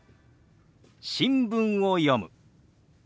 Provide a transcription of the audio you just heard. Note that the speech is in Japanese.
「新聞を読む」。